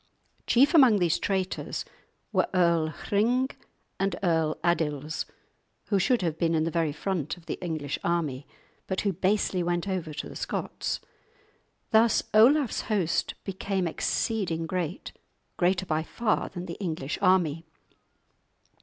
Chief among these traitors were Earl Hring and Earl Adils, who should have been in the very front of the English army, but who basely went over to the Scots. Thus Olaf's host became exceeding great, greater by far than the English army.